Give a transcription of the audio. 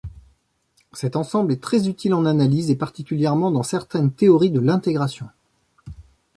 Cet ensemble est très utile en analyse et particulièrement dans certaines théories de l'intégration.